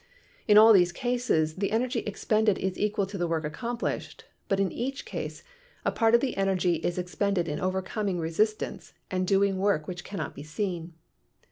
In all these cases the energy expended is equal to the work accomplished, but in each case part of the energy is expended in overcoming resist ance and doing work which cannot be seen.